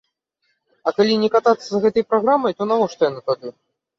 А калі не катацца з гэтай праграмай, то навошта яна тады.